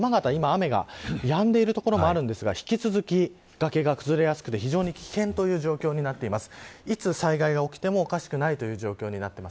それから山形、今、雨がやんでいる所もあるんですが引き続き、崖が崩れやすくて非常に危険という状況になっています。